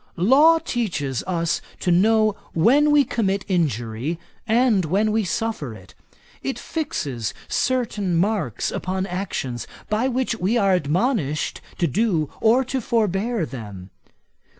Law teaches us to know when we commit injury, and when we suffer it. It fixes certain marks upon actions, by which we are admonished to do or to forbear them.